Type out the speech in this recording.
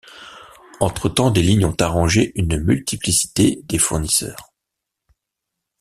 Entre-temps, des lignes ont arrangé une multiplicité des fournisseurs.